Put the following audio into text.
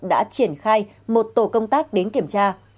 đã triển khai một tổ công tác đến kiểm tra